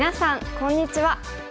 こんにちは。